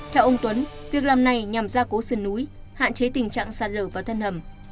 theo ông tuấn việc làm này nhằm gia cố sườn núi hạn chế tình trạng sạt lở vào thân hầm